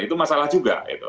itu masalah juga